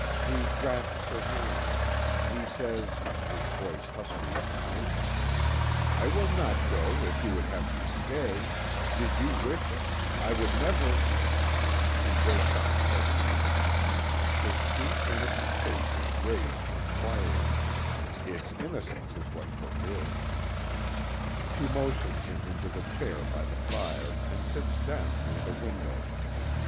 He grasps her hands. He says his voice husky with emotion: "I will not go if you would have me stay Did you wish it, I would never " He breaks off suddenly. Her sweet, innocent face is raised inquiringly its innocence is what forbids. She motions him into the chair by the fire, and sits down near the window.